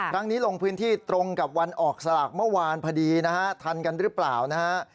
ลงพื้นที่ตรงกับวันออกสลากเมื่อวานพอดีนะฮะทันกันหรือเปล่านะฮะ